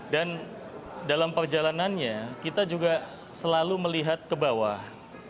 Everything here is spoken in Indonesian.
dan dalam perjalanannya kita juga selalu melihat ke bawah